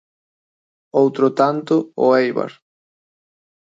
Outro tanto o Éibar.